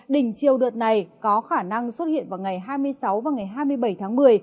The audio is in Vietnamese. đỉnh chiều đợt này có khả năng xuất hiện vào ngày hai mươi sáu và ngày hai mươi bảy tháng một mươi